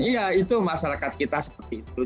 iya itu masyarakat kita seperti itu